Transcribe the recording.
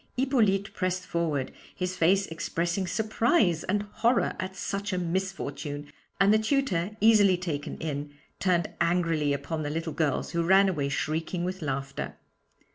Hippolyte pressed forward, his face expressing surprise and horror at such a misfortune, and the tutor, easily taken in, turned angrily upon the little girls, who ran away shrieking with laughter.